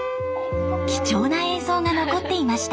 貴重な映像が残っていました。